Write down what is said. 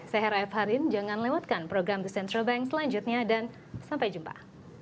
saya hera f harin jangan lewatkan program the central bank selanjutnya dan sampai jumpa